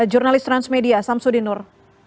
jurnalis transmedia samsudi nur